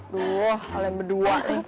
duh kalian berdua